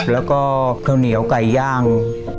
แล้วก็ข้าวเหนียวไก่ย่าง